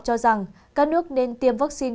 cho rằng các nước nên tiêm vaccine